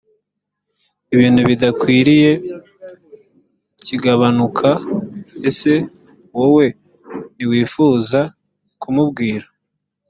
ibintu bidakwiriye kigabanuka ese wowe ntiwifuza kumubwira